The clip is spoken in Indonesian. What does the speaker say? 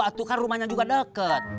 atuh kan rumahnya juga deket